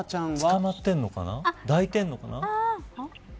つかまってるのかな抱いているのかな。